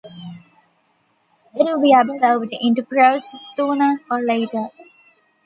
It'll be absorbed into prose sooner or later.